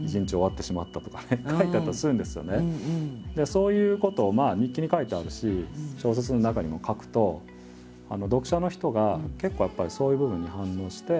そういうことを日記に書いてあるし小説の中にも書くと読者の人が結構やっぱりそういう部分に反応して。